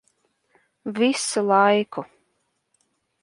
Visu laiku.